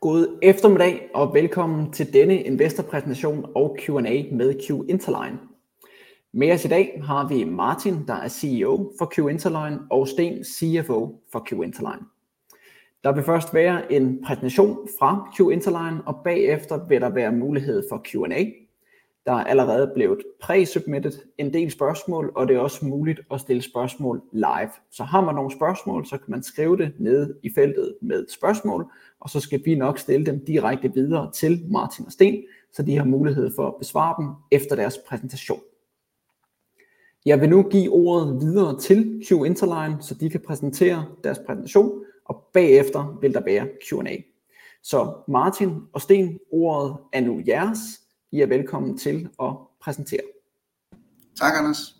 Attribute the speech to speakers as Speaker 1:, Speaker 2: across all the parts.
Speaker 1: God eftermiddag og velkommen til denne investorpræsentation og Q&A med Q Interline. Med os i dag har vi Martin, der er CEO for Q Interline og Sten, CFO for Q Interline. Der vil først være en præsentation fra Q Interline, og bagefter vil der være mulighed for Q&A. Der er allerede blevet præ-submittet en del spørgsmål, og det er også muligt at stille spørgsmål live. Har man nogle spørgsmål, så kan man skrive det nede i feltet med spørgsmål, og så skal vi nok stille dem direkte videre til Martin og Sten, så de har mulighed for at besvare dem efter deres præsentation. Jeg vil nu give ordet videre til Q Interline, så de kan præsentere deres præsentation, og bagefter vil der være Q&A. Martin og Sten, ordet er nu jeres. I er velkomne til at præsentere.
Speaker 2: Tak Anders.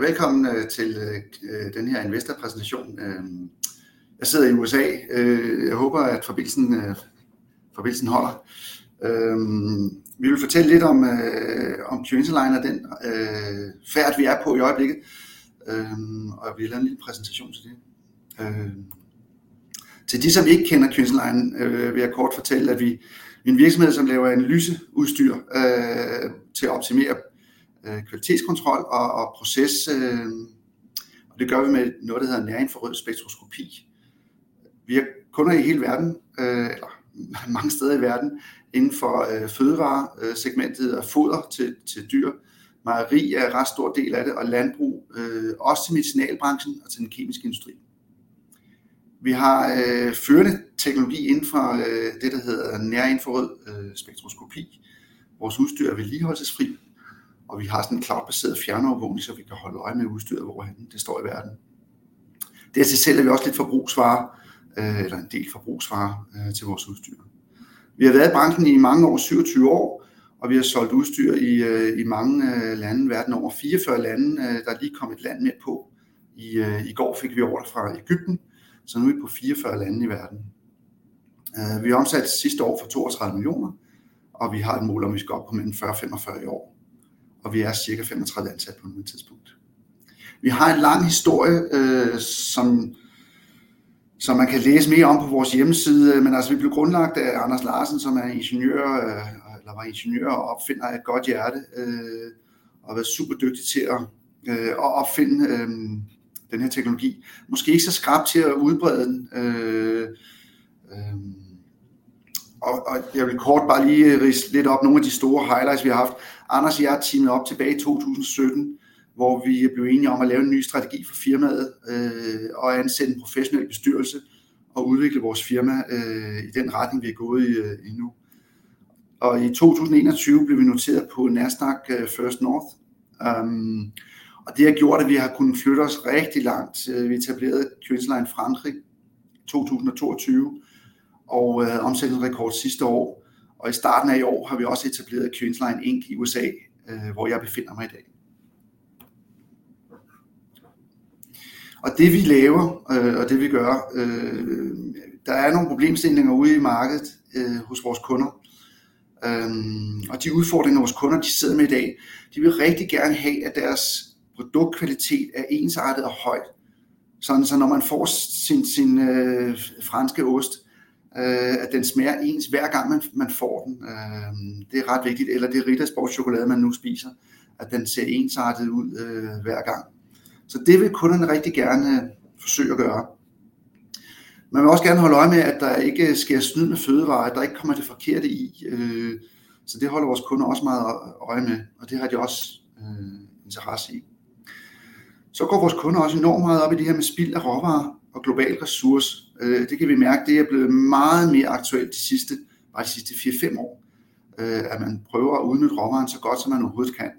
Speaker 2: Velkommen til den her investor præsentation. Jeg sidder i USA. Jeg håber, at forbindelsen holder. Vi vil fortælle lidt om Q Interline og den færd vi er på i øjeblikket, og vi har lavet en lille præsentation til det. Til de som ikke kender Q Interline, vil jeg kort fortælle, at vi er en virksomhed, som laver analyseudstyr til at optimere kvalitetskontrol og proces. Og det gør vi med noget, der hedder nær infrarød spektroskopi. Vi har kunder i hele verden eller mange steder i verden inden for fødevare segmentet og foder til dyr. Mejeri er en ret stor del af det og landbrug også til medicinalbranchen og til den kemiske industri. Vi har førende teknologi inden for det, der hedder nær infrarød spektroskopi. Vores udstyr er vedligeholdelsesfrit, og vi har en cloudbaseret fjernovervågning, så vi kan holde øje med udstyret, hvor det står i verden. Dertil sælger vi også en del forbrugsvarer til vores udstyr. Vi har været i branchen i mange år, 27 år, og vi har solgt udstyr i mange lande verden over. 44 lande. Der er lige kommet et land med på. I går fik vi ordre fra Egypten, så nu er vi på 44 lande i verden. Vi omsatte sidste år for DKK 32 millioner, og vi har et mål om, at vi skal op på mellem 40 og 45 i år. Vi er cirka 35 ansatte på nuværende tidspunkt. Vi har en lang historie, som man kan læse mere om på vores hjemmeside. Men vi blev grundlagt af Anders Larsen, som er ingeniør eller var ingeniør og opfinder af et godt hjerte og har været super dygtig til at opfinde den her teknologi. Måske ikke så skrap til at udbrede den. Jeg vil kort bare lige ridse lidt op nogle af de store highlights, vi har haft. Anders og jeg har teamet op tilbage i 2017, hvor vi blev enige om at lave en ny strategi for firmaet og ansætte en professionel bestyrelse og udvikle vores firma i den retning, vi er gået i nu. I 2021 blev vi noteret på Nasdaq First North, og det har gjort, at vi har kunnet flytte os rigtig langt. Vi etablerede Q Interline Frankrig i 2022 og omsætningsrekord sidste år og i starten af i år har vi også etableret Q Interline Inc. i USA, hvor jeg befinder mig i dag. Og det vi laver, og det vi gør. Der er nogle problemstillinger ude i markedet hos vores kunder og de udfordringer, vores kunder sidder med i dag. De vil rigtig gerne have, at deres produktkvalitet er ensartet og høj, sådan så når man får sin franske ost, at den smager ens, hver gang man får den. Det er ret vigtigt. Eller det Ritter Sport chokolade, man nu spiser, at den ser ensartet ud hver gang. Så det vil kunderne rigtig gerne forsøge at gøre. Man vil også gerne holde øje med, at der ikke sker snyd med fødevarer, at der ikke kommer det forkerte i. Så det holder vores kunder også meget øje med, og det har de også interesse i. Så går vores kunder også enormt meget op i det her med spild af råvarer og globale ressourcer. Det kan vi mærke. Det er blevet meget mere aktuelt de sidste fire fem år, at man prøver at udnytte råvarerne så godt, som man overhovedet kan.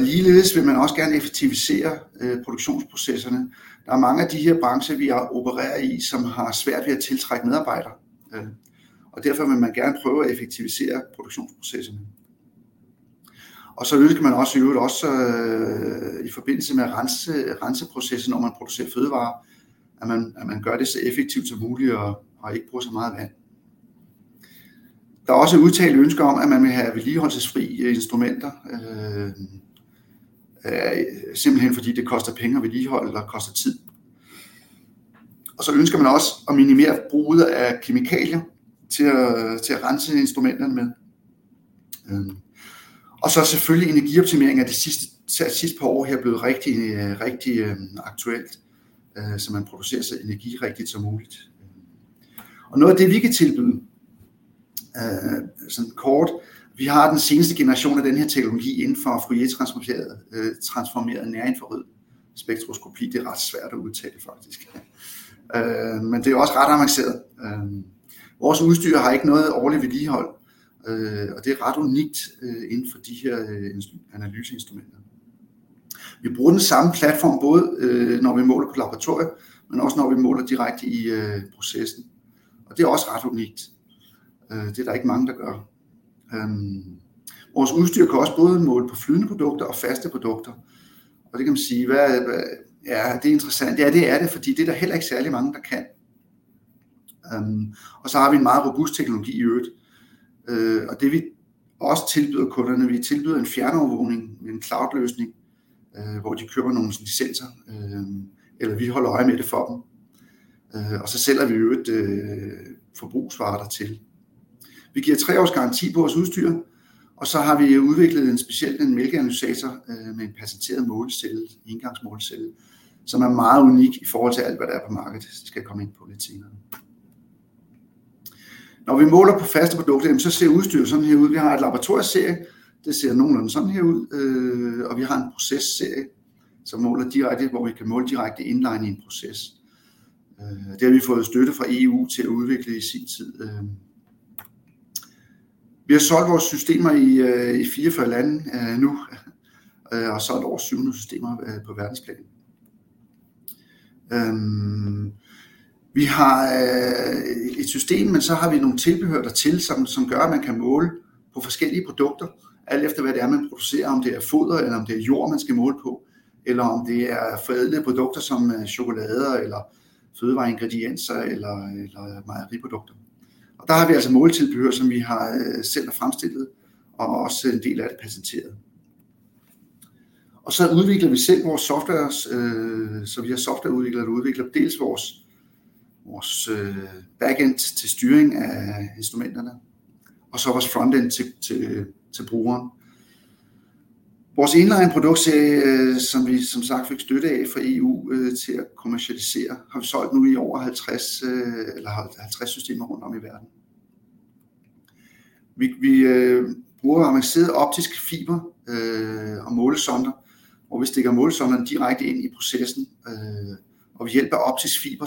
Speaker 2: Ligeledes vil man også gerne effektivisere produktionsprocesserne. Der er mange af de her brancher, vi opererer i, som har svært ved at tiltrække medarbejdere, og derfor vil man gerne prøve at effektivisere produktionsprocessen. Så ønsker man også i øvrigt i forbindelse med renserprocessen, når man producerer fødevarer, at man gør det så effektivt som muligt og ikke bruger så meget vand. Der er også et udtalt ønske om, at man vil have vedligeholdelsesfri instrumenter, simpelthen fordi det koster penge at vedligeholde eller koster tid. Så ønsker man også at minimere brugen af kemikalier til at rense instrumenterne med. Og så selvfølgelig energioptimering er de sidste par år her blevet rigtig, rigtig aktuelt, så man producerer så energirigtigt som muligt og noget af det, vi kan tilbyde. Sådan kort. Vi har den seneste generation af den her teknologi inden for Fourier transformeret nær infrarød spektroskopi. Det er ret svært at udtale faktisk, men det er også ret avanceret. Vores udstyr har ikke noget årligt vedligehold, og det er ret unikt inden for de her analyseinstrumenter. Vi bruger den samme platform, både når vi måler på laboratorie, men også når vi måler direkte i processen. Og det er også ret unikt. Det er der ikke mange, der gør. Vores udstyr kan også både måle på flydende produkter og faste produkter. Og det kan man sige. Hvad er det interessant? Ja, det er det, fordi det er der heller ikke særlig mange, der kan. Og så har vi en meget robust teknologi i øvrigt. Og det vi også tilbyder kunderne. Vi tilbyder en fjernovervågning med en cloudløsning, hvor de køber nogle licenser, eller vi holder øje med det for dem. Og så sælger vi i øvrigt forbrugsvarer dertil. Vi giver tre års garanti på vores udstyr, og så har vi udviklet en speciel mælkeanalysator med en patenteret målecelle, engangsmålecelle, som er meget unik i forhold til alt, hvad der er på markedet. Det skal jeg komme ind på lidt senere. Når vi måler på faste produkter, så ser udstyret sådan her ud. Vi har et laboratorieserie. Det ser nogenlunde sådan her ud, og vi har en processerie, som måler direkte, hvor vi kan måle direkte inline i en proces. Det har vi fået støtte fra EU til at udvikle i sin tid. Vi har solgt vores systemer i fireogfyrre lande nu og solgt over syv hundrede systemer på verdensplan. Vi har et system, men så har vi nogle tilbehør dertil, som gør, at man kan måle på forskellige produkter, alt efter hvad det er, man producerer. Om det er foder, eller om det er jord, man skal måle på, eller om det er forædlede produkter som chokolader eller fødevare ingredienser eller mejeriprodukter. Og der har vi altså måle tilbehør, som vi har selv fremstillet og også en del af det patenterede. Og så udvikler vi selv vores software. Så vi har softwareudviklere, der udvikler dels vores backend til styring af instrumenterne og så vores frontend til brugeren. Vores inline produktserie, som vi som sagt fik støtte af fra EU til at kommercialisere, har vi solgt nu i over halvtreds eller halvtreds systemer rundt om i verden. Vi bruger avanceret optisk fiber og målesonder, hvor vi stikker målesonder direkte ind i processen, og ved hjælp af optisk fiber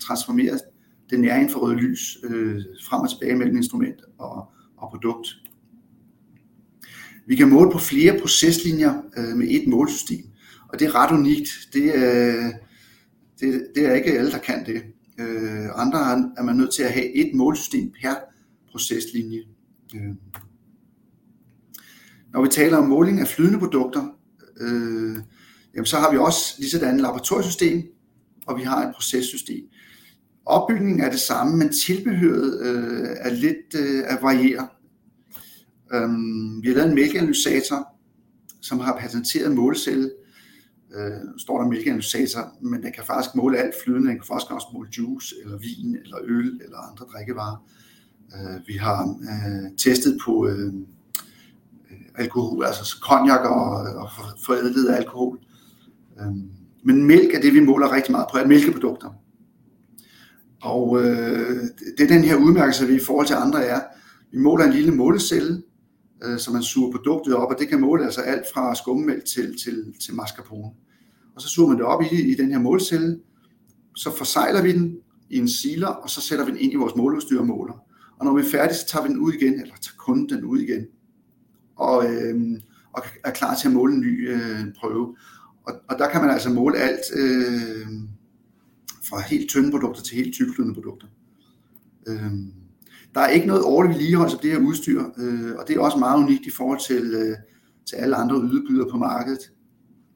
Speaker 2: transformerer det nær infrarøde lys frem og tilbage mellem instrument og produkt. Vi kan måle på flere proceslinjer med ét målesystem, og det er ret unikt. Det er ikke alle, der kan det. Andre er man nødt til at have et målesystem per proceslinje. Når vi taler om måling af flydende produkter, så har vi også lige sådan et laboratoriesystem, og vi har et processystem. Opbygningen er den samme, men tilbehøret varierer lidt. Vi har lavet en mælkeanalysator, som har patenteret målecelle. Der står mælkeanalysator, men den kan faktisk måle alt flydende. Den kan også godt måle juice eller vin eller øl eller andre drikkevarer. Vi har testet på alkohol, cognac og forædlet alkohol, men mælk er det, vi måler rigtig meget på mælkeprodukter, og det er den her udmærker sig i forhold til andre. Vi måler en lille målecelle, så man suger produktet op, og det kan måle alt fra skummetmælk til mascarpone, og så suger man det op i den her målecelle. Så forsegler vi den i en siler, og så sætter vi den ind i vores måleudstyr og måler. Og når vi er færdige, så tager vi den ud igen eller tager kunden den ud igen og er klar til at måle en ny prøve. Og der kan man altså måle alt fra helt tynde produkter til helt tyktflydende produkter. Der er ikke noget årligt vedligeholdelse af det her udstyr, og det er også meget unikt i forhold til alle andre udbydere på markedet.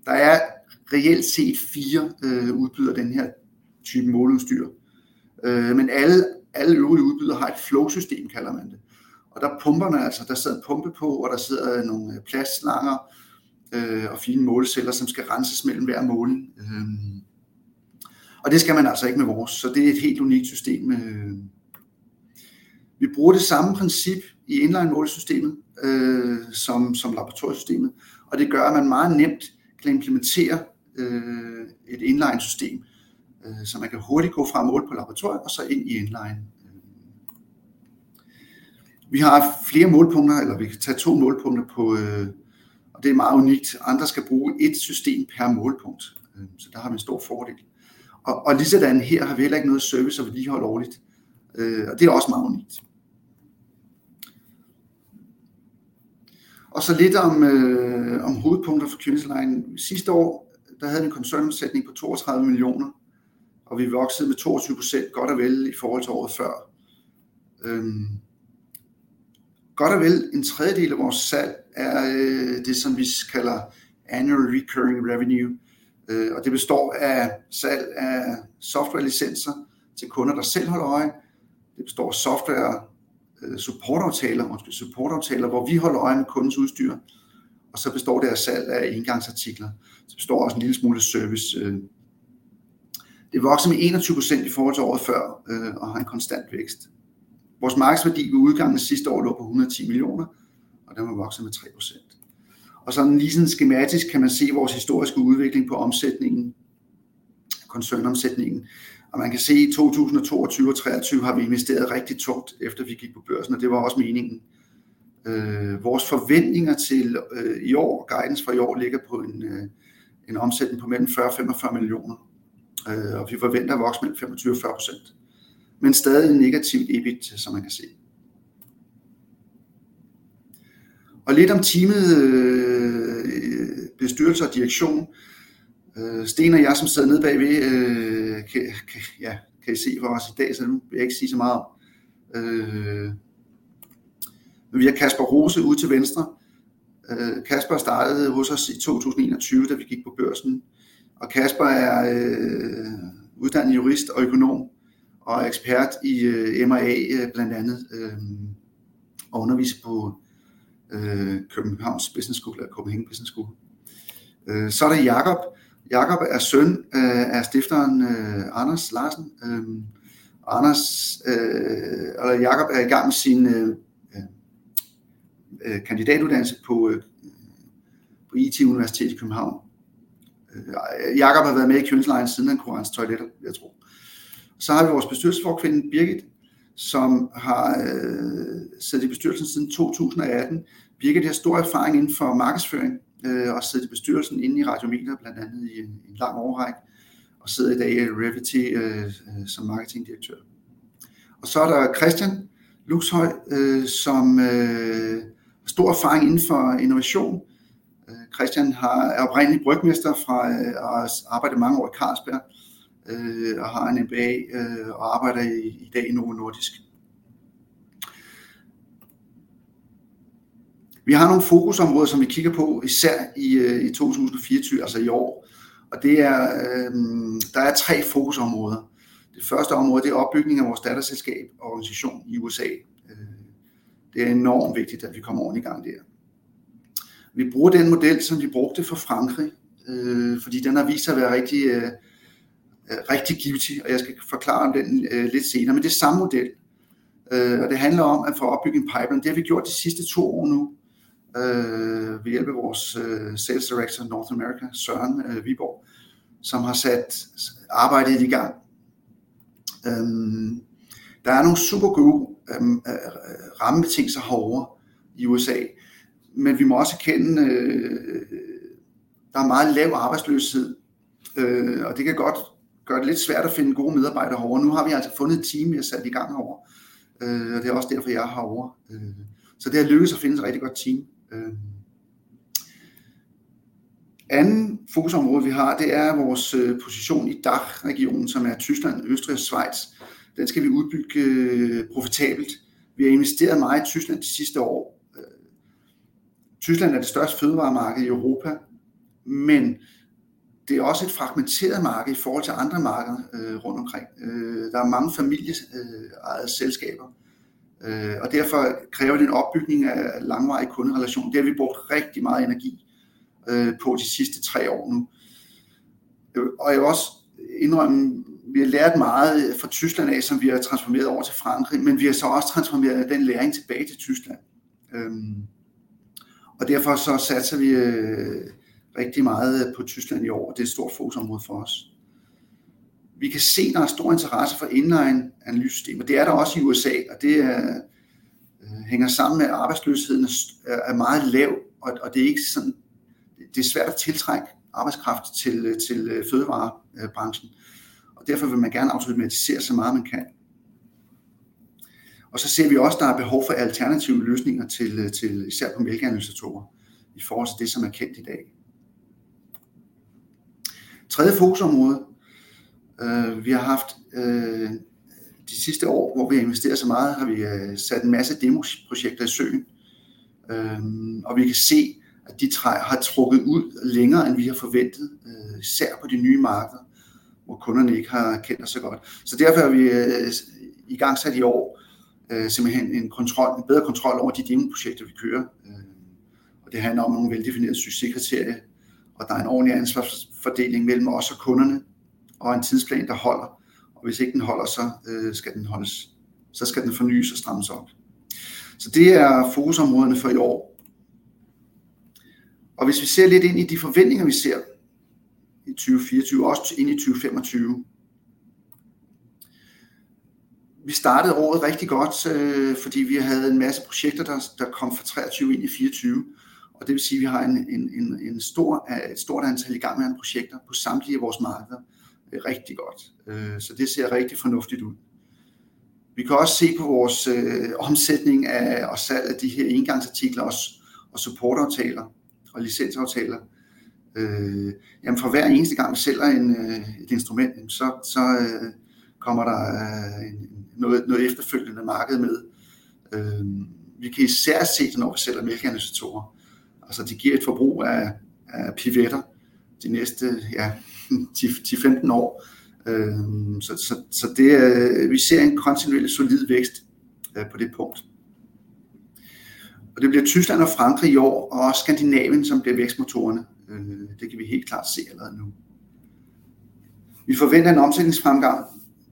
Speaker 2: Der er reelt set fire udbydere af den her type måleudstyr, men alle øvrige udbydere har et flow system, kalder man det. Og der pumper altså. Der sidder en pumpe på, og der sidder nogle plastslanger og fine måleceller, som skal renses mellem hver måling. Og det skal man altså ikke med vores. Så det er et helt unikt system. Vi bruger det samme princip i inline målesystemet som laboratoriesystemet, og det gør, at man meget nemt kan implementere et inline system, så man kan hurtigt gå fra at måle på laboratorie og så ind i inline. Vi har flere målepunkter, eller vi kan tage to målepunkter på, og det er meget unikt. Andre skal bruge et system per målepunkt, så der har vi en stor fordel. Her har vi heller ikke noget service og vedligehold årligt, og det er også meget unikt. Og så lidt om hovedpunkter for Business Line. Sidste år havde vi en koncernomsætning på 32 millioner, og vi voksede med 22% godt og vel i forhold til året før. Godt og vel en tredjedel af vores salg er det, som vi kalder Annual Recurring Revenue, og det består af salg af softwarelicenser til kunder, der selv holder øje. Det består af software, supportaftaler og supportaftaler, hvor vi holder øje med kundens udstyr. Og så består det af salg af engangsartikler. Så består også en lille smule service. Det er vokset med 21% i forhold til året før og har en konstant vækst. Vores markedsværdi ved udgangen af sidste år lå på 110 millioner, og den var vokset med 3%. Og så lige sådan skematisk kan man se vores historiske udvikling på omsætningen. Koncern omsætningen og man kan se i 2022 og 23 har vi investeret rigtig tungt, efter vi gik på børsen, og det var også meningen. Vores forventninger til i år og guidance for i år ligger på en omsætning på mellem 40 og 45 millioner, og vi forventer at vokse mellem 25% og 40%, men stadig negativt, som man kan se. Lidt om teamet, bestyrelse og direktion. Sten og jeg, som sidder nede bagved, kan I se, hvor resten af dagen, så nu vil jeg ikke sige så meget om det. Vi har Kasper Rose ude til venstre. Kasper startede hos os i 2021, da vi gik på børsen, og Kasper er uddannet jurist og økonom og er ekspert i M&A blandt andet og underviser på Københavns Business School og Copenhagen Business School. Så er der Jacob. Jacob er søn af stifteren Anders Larsen, og Jacob er i gang med sin kandidatuddannelse på IT Universitetet i København. Jacob har været med i køkkenet, siden han kunne regne toiletter. Så har vi vores bestyrelsesformand Birgit, som har siddet i bestyrelsen siden 2018. Birgit har stor erfaring inden for markedsføring og har siddet i bestyrelsen i Radio Meter blandt andet i en lang årrække og sidder i dag i Revy som Marketingdirektør. Så er der Christian Lux Hjøj, som har stor erfaring inden for innovation. Christian er oprindelig brygmester og har arbejdet mange år i Carlsberg og har en MBA og arbejder i dag i Novo Nordisk. Vi har nogle fokusområder, som vi kigger på især i 2024, altså i år. Der er tre fokusområder. Det første område er opbygning af vores datterselskab og organisation i USA. Det er enormt vigtigt, at vi kommer ordentligt i gang der. Vi bruger den model, som vi brugte for Frankrig, fordi den har vist sig at være rigtig, rigtig givtig, og jeg skal forklare om den lidt senere. Men det er samme model, og det handler om at få opbygget en pipeline. Det har vi gjort de sidste to år nu ved hjælp af vores Sales Director North America, Søren Viborg, som har sat arbejdet i gang. Der er nogle super gode rammebetingelser herovre i USA, men vi må også erkende, at der er meget lav arbejdsløshed, og det kan godt gøre det lidt svært at finde gode medarbejdere herovre. Nu har vi altså fundet et team, vi har sat i gang herovre, og det er også derfor, jeg er herovre. Så det er lykkedes at finde et rigtig godt team. Andet fokusområde vi har, det er vores position i regionen, som er Tyskland, Østrig og Schweiz. Den skal vi udbygge profitabelt. Vi har investeret meget i Tyskland de sidste år. Tyskland er det største fødevaremarked i Europa, men det er også et fragmenteret marked i forhold til andre markeder rundt omkring. Der er mange familieejede selskaber, og derfor kræver det en opbygning af langvarige kunderelationer. Det har vi brugt rigtig meget energi på de sidste tre år nu. Jeg vil også indrømme, at vi har lært meget fra Tyskland af, som vi har transformeret over til Frankrig. Men vi har så også transformeret den læring tilbage til Tyskland. Derfor satser vi rigtig meget på Tyskland i år, og det er et stort fokusområde for os. Vi kan se, at der er stor interesse for inline analysesystemer. Det er der også i USA, og det hænger sammen med, at arbejdsløsheden er meget lav, og det er ikke sådan. Det er svært at tiltrække arbejdskraft til fødevarebranchen, og derfor vil man gerne automatisere så meget, man kan. Og så ser vi også, at der er behov for alternative løsninger til især på mælkeanalysator i forhold til det, som er kendt i dag. Tredje fokusområde vi har haft de sidste år, hvor vi har investeret så meget, har vi sat en masse demoprojekter i søen, og vi kan se, at de har trukket ud længere, end vi har forventet. Især på de nye markeder, hvor kunderne ikke har kendt os så godt. Så derfor har vi igangsat i år simpelthen en kontrol, en bedre kontrol over de demoprojekter, vi kører. Og det handler om nogle veldefinerede succeskriterier. Og der er en ordentlig ansvarsfordeling mellem os og kunderne og en tidsplan, der holder. Og hvis ikke den holder, så skal den holdes. Så skal den fornyes og strammes op. Så det er fokusområderne for i år. Og hvis vi ser lidt ind i de forventninger, vi ser i 2024, også ind i 2025. Vi startede året rigtig godt, fordi vi havde en masse projekter, der kom fra 23 ind i 24, og det vil sige, at vi har en stor. Et stort antal igangværende projekter på samtlige vores markeder. Rigtig godt, så det ser rigtig fornuftigt ud. Vi kan også se på vores omsætning og salg af de her engangsartikler og support aftaler og licensaftaler. For hver eneste gang vi sælger et instrument, så kommer der noget efterfølgende marked med. Vi kan især se, når vi sælger mælkeanalysator. Altså de giver et forbrug af pivoter de næste 10-15 år, så vi ser en kontinuerlig solid vækst på det punkt. Og det bliver Tyskland og Frankrig i år og Skandinavien, som bliver vækstmotorerne. Det kan vi helt klart se allerede nu. Vi forventer en omsætningsfremgang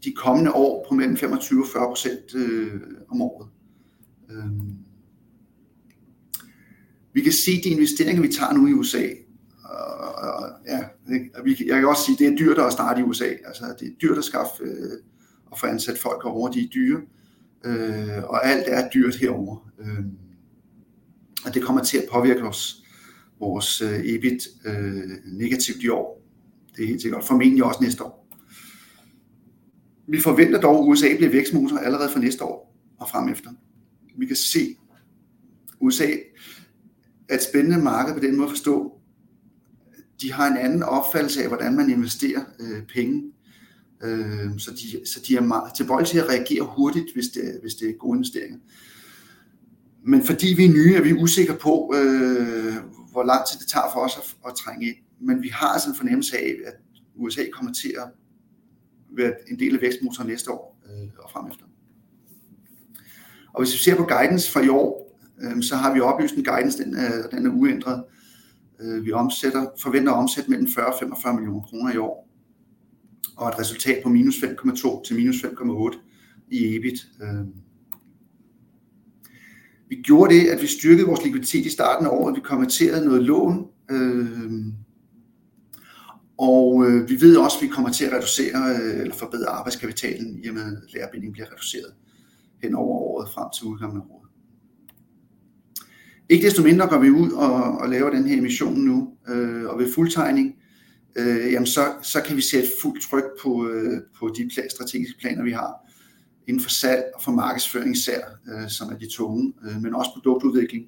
Speaker 2: de kommende år på mellem 25% og 40% om året. Vi kan se, at de investeringer, vi tager nu i USA. Og ja, jeg kan godt sige, det er dyrere at starte i USA. Det er dyrt at skaffe og få ansat folk herovre. De er dyre, og alt er dyrt herovre, og det kommer til at påvirke vores EBIT negativt i år. Det er helt sikkert. Formentlig også næste år. Vi forventer dog, at USA bliver vækstmotor allerede fra næste år og fremefter. Vi kan se USA er et spændende marked på den måde at forstå. De har en anden opfattelse af, hvordan man investerer penge, så de er meget tilbøjelige til at reagere hurtigt, hvis det er gode investeringer. Men fordi vi er nye, er vi usikre på, hvor lang tid det tager for os at trænge ind. Men vi har en fornemmelse af, at USA kommer til at være en del af vækstmotoren næste år og fremefter. Hvis vi ser på guidance for i år, så har vi opjusteret guidancen. Den er uændret. Vi forventer at omsætte mellem 40 og 45 millioner kroner i år og et resultat på minus 5,2 til minus 5,8 i EBIT. Vi styrkede vores likviditet i starten af året, og vi konverterede noget lån. Og vi ved også, at vi kommer til at reducere eller forbedre arbejdskapitalen, i og med at læger binding bliver reduceret hen over året frem til udgangen af året. Ikke desto mindre går vi ud og laver den her emission nu, og ved fuldtegning, så kan vi sætte fuld tryk på de strategiske planer, vi har inden for salg og markedsføring især, som er de tunge, men også produktudvikling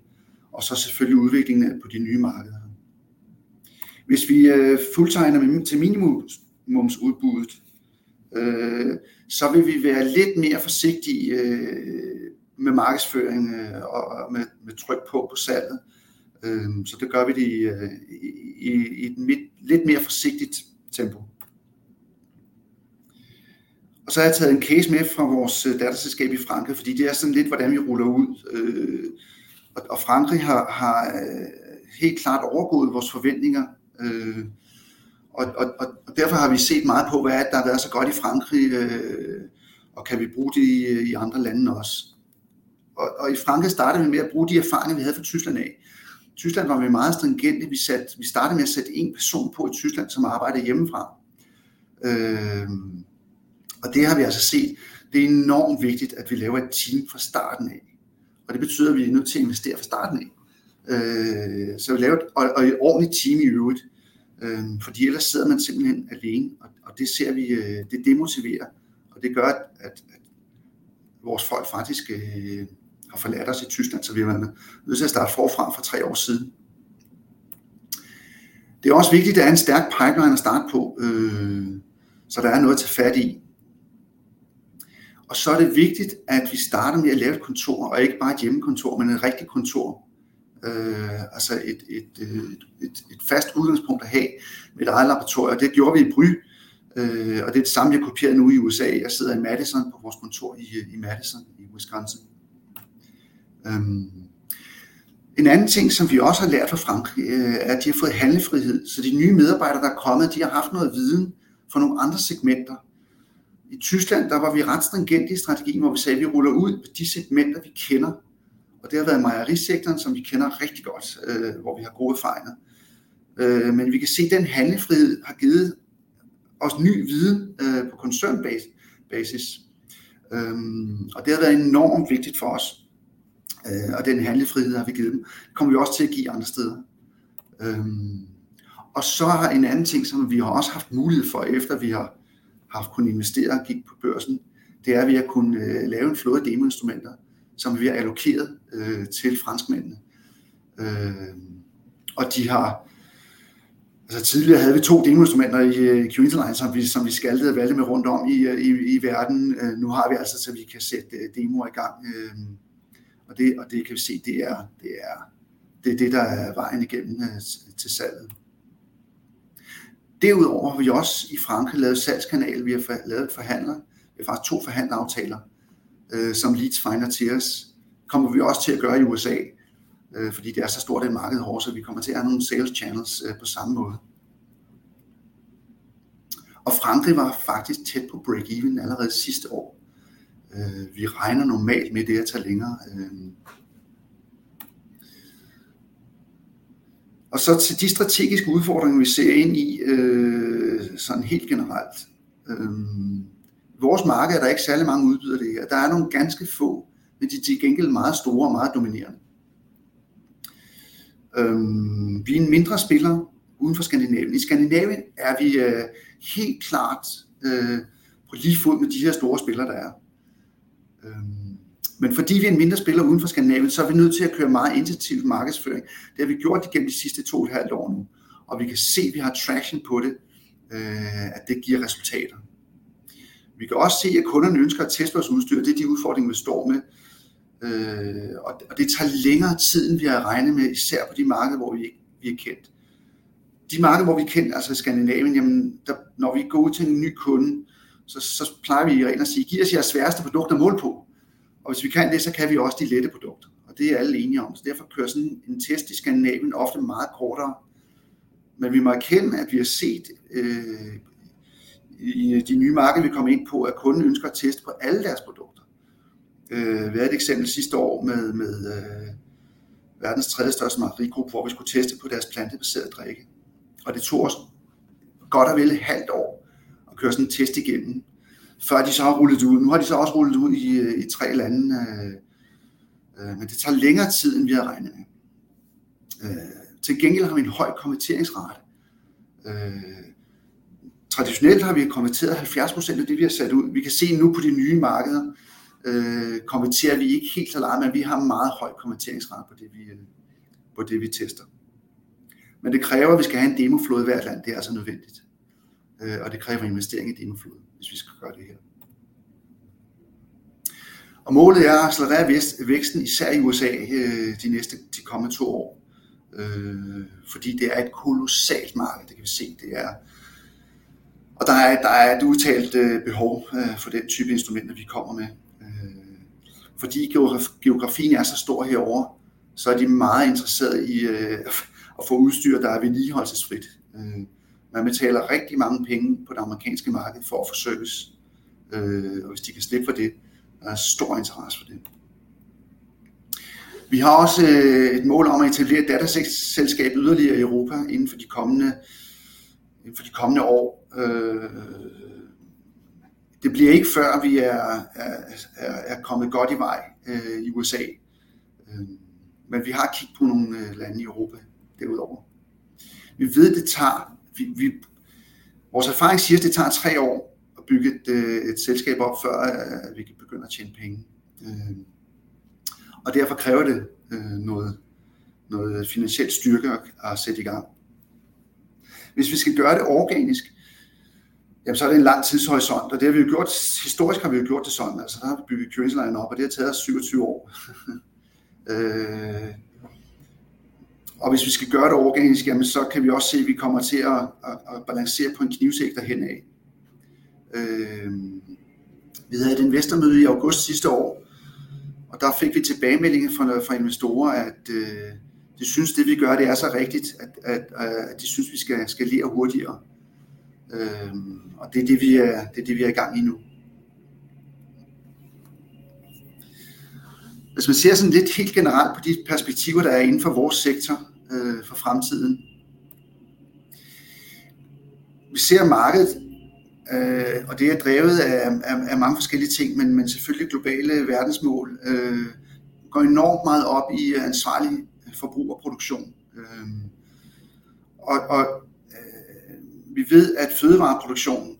Speaker 2: og så selvfølgelig udviklingen på de nye markeder. Hvis vi fuldtegner til minimumsudbuddet, så vil vi være lidt mere forsigtige med markedsføringen og med tryk på salget. Så det gør vi i et lidt mere forsigtigt tempo. Og så har jeg taget en case med fra vores datterselskab i Frankrig, fordi det er sådan lidt, hvordan vi ruller ud. Og Frankrig har helt klart overgået vores forventninger, og derfor har vi set meget på, hvad der har været så godt i Frankrig. Kan vi bruge det i andre lande også? I Frankrig startede vi med at bruge de erfaringer, vi havde fra Tyskland af. Tyskland var vi meget stringente. Vi startede med at sætte en person på i Tyskland, som arbejdede hjemmefra. Det har vi set. Det er enormt vigtigt, at vi laver et team fra starten af, og det betyder, at vi er nødt til at investere fra starten af. Vi laver et ordentligt team i øvrigt, fordi ellers sidder man simpelthen alene, og det ser vi. Det demotiverer, og det gør, at vores folk faktisk har forladt os i Tyskland, så vi har været nødt til at starte forfra for tre år siden. Det er også vigtigt, at der er en stærk pipeline at starte på, så der er noget at tage fat i. Og så er det vigtigt, at vi starter med at lave et kontor og ikke bare et hjemmekontor, men et rigtigt kontor. Altså et fast udgangspunkt at have med et eget laboratorie. Og det gjorde vi i Brygge, og det er det samme, vi har kopieret nu i USA. Jeg sidder i Madison på vores kontor i Madison i US grænsen. En anden ting, som vi også har lært fra Frankrig, er, at de har fået handlefrihed, så de nye medarbejdere, der er kommet, de har haft noget viden fra nogle andre segmenter. I Tyskland var vi ret stringent i strategien, hvor vi sagde: Vi ruller ud på de segmenter, vi kender, og det har været mejerisektoren, som vi kender rigtig godt, hvor vi har gode erfaringer. Men vi kan se, at den handlefrihed har givet os ny viden på koncernbasis, og det har været enormt vigtigt for os. Og den handlefrihed har vi givet dem, kommer vi også til at give andre steder. Og så en anden ting, som vi har også haft mulighed for, efter vi har haft kunnet investere og gik på børsen. Det er, at vi har kunnet lave en flåde af demo instrumenter, som vi har allokeret til franskmændene. Og de har... Altså tidligere havde vi to demo instrumenter i Q Online, som vi skalte og valte med rundt om i verden. Nu har vi altså, så vi kan sætte demo i gang, og det kan vi se. Det er det, der er vejen igennem til salget. Derudover har vi også i Frankrig lavet salgskanal. Vi har lavet en forhandler. Vi har faktisk to forhandleraftaler, som leads finder til os. Kommer vi også til at gøre i USA, fordi det er så stort et marked derovre, så vi kommer til at have nogle sales channels på samme måde. Frankrig var faktisk tæt på break even allerede sidste år. Vi regner normalt med, at det tager længere. Til de strategiske udfordringer, vi ser ind i. Helt generelt i vores marked er der ikke særlig mange udbydere. Der er nogle ganske få, men de er til gengæld meget store og meget dominerende. Vi er en mindre spiller uden for Skandinavien. I Skandinavien er vi helt klart på lige fod med de store spillere, der er. Men fordi vi er en mindre spiller uden for Skandinavien, så er vi nødt til at køre meget intensiv markedsføring. Det har vi gjort igennem de sidste to et halvt år nu, og vi kan se, at vi har traction på det, at det giver resultater. Vi kan også se, at kunderne ønsker at teste vores udstyr. Det er de udfordringer, vi står med, og det tager længere tid, end vi havde regnet med. Især på de markeder, hvor vi ikke er kendt. De markeder, hvor vi er kendt, altså i Skandinavien. Når vi går ud til en ny kunde, så plejer vi i reglen at sige: "Giv os jeres sværeste produkter at måle på." Hvis vi kan det, så kan vi også de lette produkter. Det er alle enige om. Derfor kører sådan en test i Skandinavien ofte meget kortere. Men vi må erkende, at vi har set i de nye markeder, vi kommer ind på, at kunden ønsker at teste på alle deres produkter. Vi havde et eksempel sidste år med verdens tredjestørste mejerigruppe, hvor vi skulle teste på deres plantebaserede drikke, og det tog os godt og vel et halvt år at køre sådan en test igennem, før de så har rullet ud. Nu har de så også rullet ud i tre eller anden, men det tager længere tid, end vi havde regnet med. Til gengæld har vi en høj konverteringsrate. Traditionelt har vi konverteret 70% af det, vi har sat ud. Vi kan se nu på de nye markeder, konverterer vi ikke helt så meget, men vi har en meget høj konverteringsrate på det vi tester. Men det kræver, at vi skal have en demo flåde i hvert land. Det er altså nødvendigt, og det kræver investering i demoflåden, hvis vi skal gøre det her. Målet er at accelerere væksten, især i USA de næste kommende to år, fordi det er et kolossalt marked. Det kan vi se. Der er et udtalt behov for den type instrumenter, vi kommer med. Fordi geografien er så stor herovre, så er de meget interesseret i at få udstyr, der er vedligeholdelsesfrit. Man betaler rigtig mange penge på det amerikanske marked for at få service, og hvis de kan slippe for det, der er stor interesse for det. Vi har også et mål om at etablere et datterselskab yderligere i Europa inden for de kommende år. Det bliver ikke før, vi er kommet godt i vej i USA, men vi har kigget på nogle lande i Europa. Derudover ved vi, det tager vi. Vores erfaring siger, at det tager tre år at bygge et selskab op, før vi kan begynde at tjene penge, og derfor kræver det noget finansiel styrke at sætte i gang. Hvis vi skal gøre det organisk, jamen så er det en lang tidshorisont, og det har vi jo gjort. Historisk har vi jo gjort det sådan. Altså, der har vi bygget køreskolen op, og det har taget os syvogtyve år. Hvis vi skal gøre det organisk, jamen så kan vi også se, at vi kommer til at balancere på en knivsæg derhenad. Vi havde et investormøde i august sidste år, og der fik vi tilbagemelding fra investorer, at de synes, det vi gør, det er så rigtigt, at de synes, vi skal skalere hurtigere. Det er det, vi er. Det er det, vi er i gang med nu. Hvis man ser sådan lidt helt generelt på de perspektiver, der er inden for vores sektor for fremtiden, vi ser markedet, og det er drevet af mange forskellige ting. Men selvfølgelig globale verdensmål går enormt meget op i ansvarlig forbrug og produktion, og vi ved, at fødevareproduktion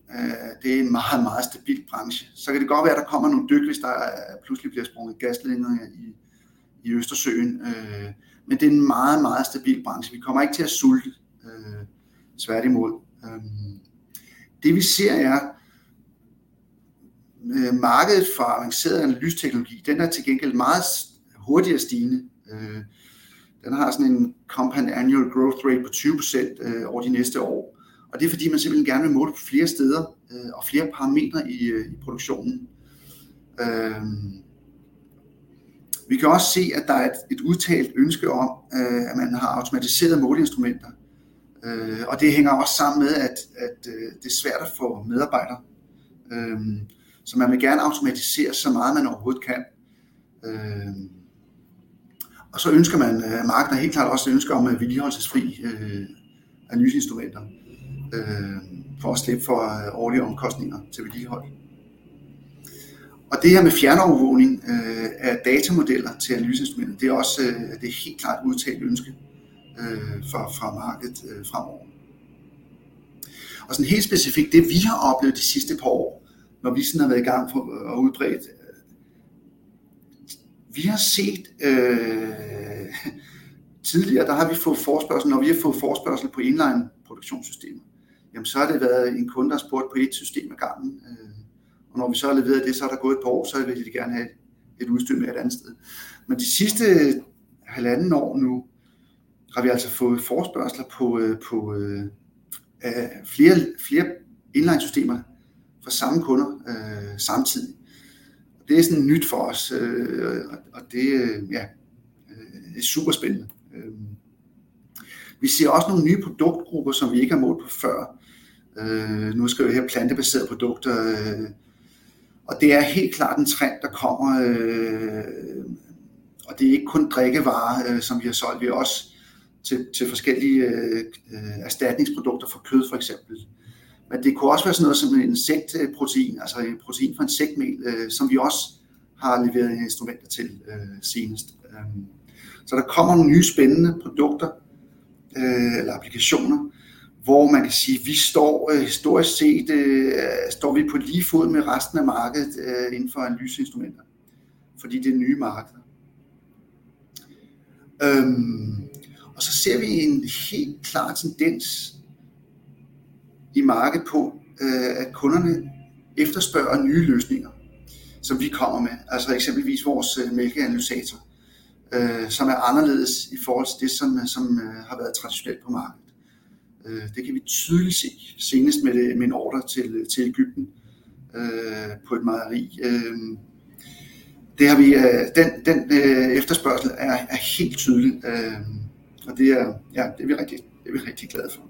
Speaker 2: det er en meget, meget stabil branche. Så kan det godt være, at der kommer nogle dyk, hvis der pludselig bliver sprunget gasledninger i Østersøen. Men det er en meget, meget stabil branche. Vi kommer ikke til at sulte. Tværtimod. Det, vi ser, er markedet for avanceret analytisk teknologi. Den er til gengæld meget hurtigere stigende. Den har sådan en compound annual growth rate på 20% over de næste år, og det er fordi man simpelthen gerne vil måle det på flere steder og flere parametre i produktionen. Vi kan også se, at der er et udtalt ønske om, at man har automatiserede måleinstrumenter, og det hænger også sammen med, at det er svært at få medarbejdere, så man vil gerne automatisere så meget, man overhovedet kan. Markedet har helt klart også et ønske om vedligeholdelsesfri analyseinstrumenter for at slippe for årlige omkostninger til vedligeholdelse. Det her med fjernovervågning af datamodeller til analyseinstrumenter, det er også helt klart et udtalt ønske fra markedet fremover. Sådan helt specifikt det vi har oplevet de sidste par år, når vi har været i gang og udbredt. Tidligere har vi fået forespørgsel, når vi har fået forespørgsel på inline produktionssystemer. Så har det været en kunde, der har spurgt på ét system ad gangen, og når vi så har leveret det, så er der gået et par år. Så vil de gerne have lidt udstyr med et andet sted. Men de sidste halvandet år nu har vi altså fået forespørgsler på flere inline systemer fra samme kunder samtidig. Det er nyt for os, og det er super spændende. Vi ser også nogle nye produktgrupper, som vi ikke har målt på før. Nu snakker jeg plantebaseret produkter, og det er helt klart en trend, der kommer. Det er ikke kun drikkevarer, som vi har solgt. Vi er også til forskellige erstatningsprodukter for kød for eksempel. Men det kunne også være sådan noget som insekt protein, altså protein fra insektmel, som vi også har leveret instrumenter til senest. Der kommer nogle nye spændende produkter eller applikationer, hvor man kan sige vi står. Historisk set står vi på lige fod med resten af markedet inden for analyseinstrumenter, fordi det er nye markeder. Og så ser vi en helt klar tendens i markedet på, at kunderne efterspørger nye løsninger, som vi kommer med. Altså eksempelvis vores mælkeanalysator, som er anderledes i forhold til det, som har været traditionelt på markedet. Det kan vi tydeligt se. Senest med en ordre til Egypten på et mejeri. Det har vi. Den efterspørgsel er helt tydelig, og det er det, vi rigtig. Det er vi rigtig glade for.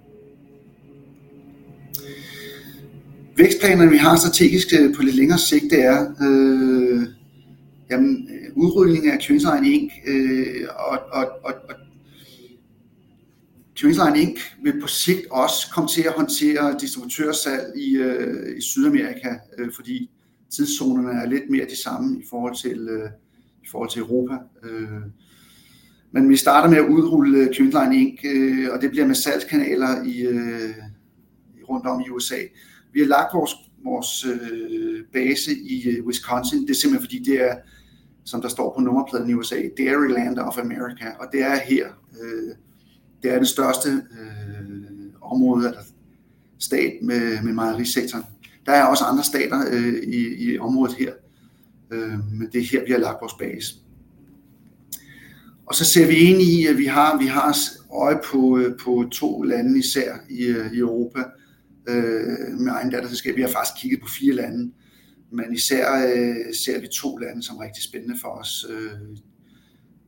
Speaker 2: Vækstplanerne vi har strategisk på lidt længere sigt, er udvidelsen af køkkenhaven i en og. Køkkenhave Inc. vil på sigt også komme til at håndtere distributørsalg i Sydamerika, fordi tidszonerne er lidt mere de samme i forhold til Europa. Men vi starter med at udrulle Q Line Inc., og det bliver med salgskanaler rundt om i USA. Vi har lagt vores base i Wisconsin. Det er simpelthen fordi det er, som der står på nummerpladen i USA, Dairy Land of America. Og det er her, det er det største område stat med mejerisektoren. Der er også andre stater i området her, men det er her vi har lagt vores base, og så ser vi ind i at vi har. Vi har øje på to lande, især i Europa, med egne datterselskab. Vi har faktisk kigget på fire lande, men især ser vi to lande, som er rigtig spændende for os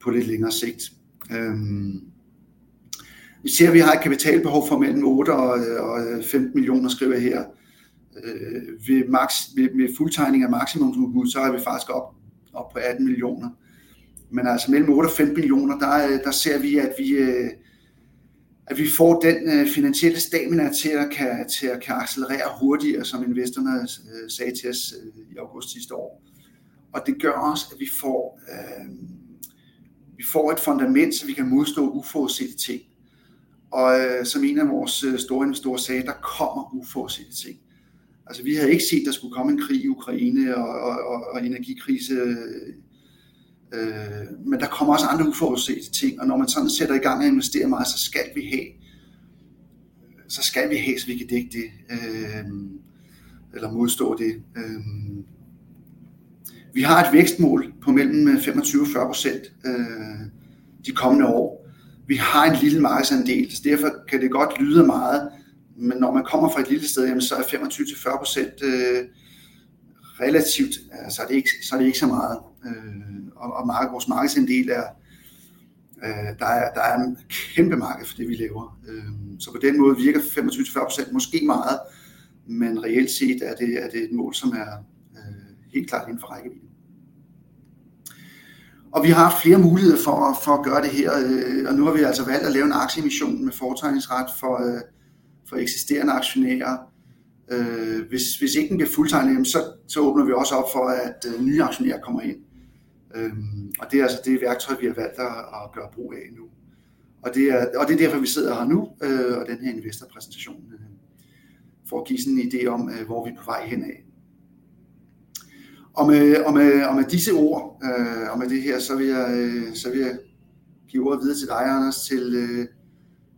Speaker 2: på lidt længere sigt. Vi ser at vi har et kapitalbehov for mellem 8 og 15 millioner, skriver jeg her. Ved max ved fuldtegning af maksimums udbud, så er vi faktisk oppe på 18 millioner. Men altså mellem 8 og 15 millioner. Der ser vi at vi får den finansielle stamina til at kunne til at kunne accelerere hurtigere. Som investorerne sagde til os i august sidste år. Og det gør også, at vi får et fundament, så vi kan modstå uforudsete ting. Og som en af vores store investorer sagde: Der kommer uforudsete ting. Altså, vi havde ikke set, at der skulle komme en krig i Ukraine og energikrise. Men der kommer også andre uforudsete ting. Og når man sådan sætter i gang med at investere meget, så skal vi have, så vi kan dække det eller modstå det. Vi har et vækstmål på mellem 25% og 40% de kommende år. Vi har en lille markedsandel, så derfor kan det godt lyde af meget. Men når man kommer fra et lille sted, så er 25% til 40% relativt. Så er det ikke så meget, og vores markedsandel er. Der er et kæmpe marked for det, vi laver. På den måde virker 25-40% måske meget, men reelt set er det et mål, som er helt klart inden for rækkevidde. Vi har haft flere muligheder for at gøre det her. Nu har vi valgt at lave en aktieemission med fortegnelsesret for eksisterende aktionærer. Hvis den ikke bliver fuldt tegnet, åbner vi også op for, at nye aktionærer kommer ind. Det er det værktøj, vi har valgt at gøre brug af nu. Det er derfor, vi sidder her nu. Denne investor præsentation skal give en idé om, hvor vi er på vej hen. Med disse ord vil jeg give ordet videre til dig, Anders.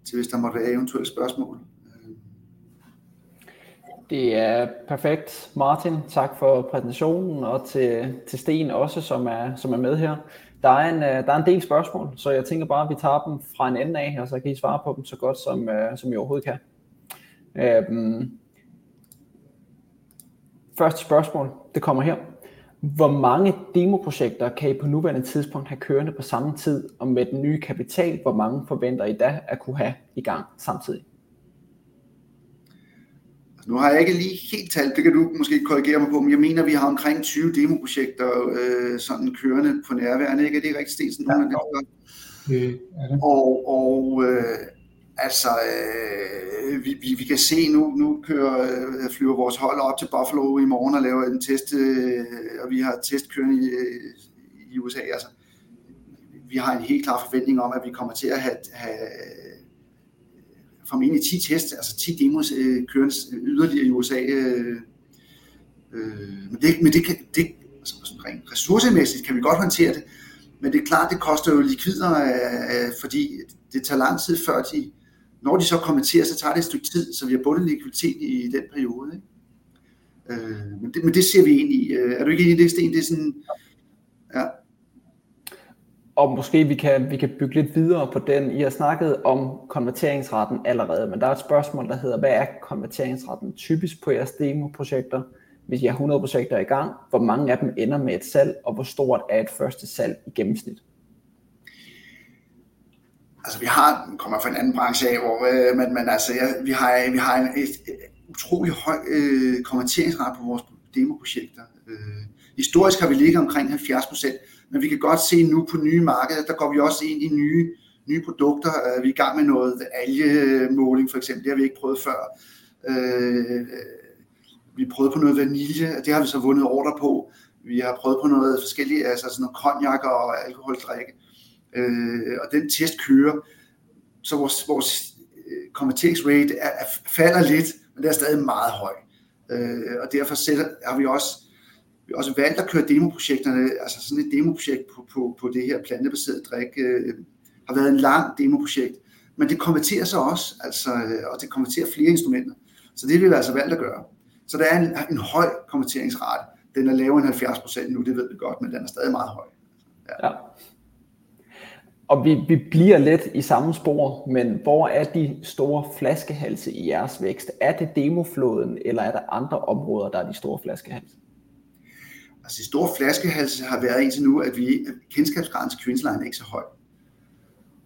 Speaker 2: Til hvis der måtte være eventuelle spørgsmål.
Speaker 1: Det er perfekt. Martin, tak for præsentationen og til Steen også, som er med her. Der er en del spørgsmål, så jeg tænker bare, at vi tager dem fra den ene ende af, og så kan I svare på dem så godt, som I overhovedet kan. Første spørgsmål kommer her: Hvor mange demoprojekter kan I på nuværende tidspunkt have kørende på samme tid? Og med den nye kapital, hvor mange forventer I da at kunne have i gang samtidig?
Speaker 2: Nu har jeg ikke lige helt tal. Det kan du måske korrigere mig på, men jeg mener, vi har omkring 20 demo projekter sådan kørende på nuværende. Er det ikke rigtigt Steen? Men det er og. Og altså vi kan se nu. Nu kører flyver vores hold op til Buffalo i morgen og laver en test, og vi har test kørende i USA. Altså, vi har en helt klar forventning om, at vi kommer til at have formentlig 10 test. Altså 10 demos kørende yderligere i USA. Men det kan det. Rent ressourcemæssigt kan vi godt håndtere det, men det er klart, det koster jo likvider, fordi det tager lang tid, før de. Når de så konverterer, så tager det et stykke tid, så vi har bundet likviditeten i den periode. Men det ser vi ind i. Er du ikke enig? Steen Det er sådan ja.
Speaker 1: Og måske vi kan. Vi kan bygge lidt videre på den. I har snakket om konverteringsraten allerede, men der er et spørgsmål, der hedder: Hvad er konverteringsraten typisk på jeres demoprojekter? Hvis I har 100 projekter i gang, hvor mange af dem ender med et salg? Og hvor stort er et første salg i gennemsnit?
Speaker 2: Altså, vi kommer fra en anden branche, hvor vi har en utrolig høj konverteringsrate på vores demoprojekter. Historisk har vi ligget omkring 70%, men vi kan godt se nu på nye markeder. Der går vi også ind i nye produkter. Vi er i gang med noget algemåling for eksempel. Det har vi ikke prøvet før. Vi prøvede på noget vanilje, og det har vi så vundet ordrer på. Vi har prøvet på noget forskelligt, sådan noget cognac og alkoholdrikke, og den test kører. Vores konverteringsrate falder lidt, men det er stadig meget høj, og derfor har vi også valgt at køre demoprojekterne. Et demoprojekt på det her plantebaserede drik har været et langt demoprojekt, men det konverterer også. Og det konverterer flere instrumenter, så det har vi altså valgt at gøre. Så der er en høj konverteringsrate. Den er lavere end 70% nu. Det ved vi godt, men den er stadig meget høj.
Speaker 1: Ja, og vi bliver lidt i samme spor. Men hvor er de store flaskehalse i jeres vækst? Er det demoflåden, eller er der andre områder, der er de store flaskehalse?
Speaker 2: Altså, de store flaskehalse har været indtil nu, at vi kendskabsgraden til Q line er ikke så høj,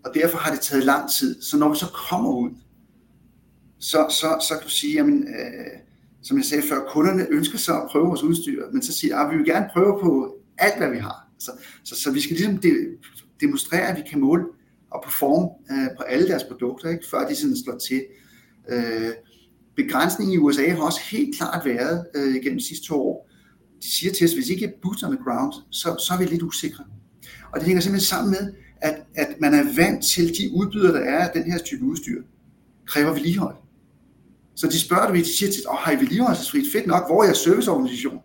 Speaker 2: og derfor har det taget lang tid. Så når vi så kommer ud, så kan du sige: "Jamen, som jeg sagde før, kunderne ønsker så at prøve vores udstyr." Men så siger vi: "Vi vil gerne prøve på alt, hvad vi har." Så vi skal ligesom demonstrere, at vi kan måle og performe på alle deres produkter, før de slår til. Begrænsningen i USA har også helt klart været gennem de sidste to år... De siger til os: "Hvis I ikke booster med ground, så er vi lidt usikre." Og det hænger simpelthen sammen med, at man er vant til de udbydere, der er. Den her type udstyr kræver vedligeholdelse, så de spørger du. De siger: "Åh, har I vedligeholdelsesfri? Fedt nok! Hvor er jeres serviceorganisation?"